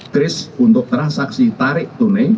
kris untuk transaksi tarik tune